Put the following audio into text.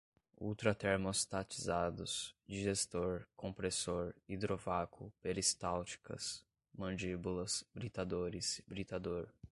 ultratermostatizados, digestor, compressor, hidrovácuo, peristálticas, mandíbulas, britadores, britador